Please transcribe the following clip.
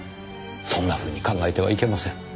そんなふうに考えてはいけません。